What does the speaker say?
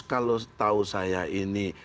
kalau tahu saya ini